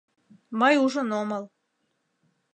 Мый ужын омыл.